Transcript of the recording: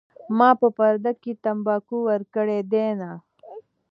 ما په پرده کې تمباکو ورکړي دینه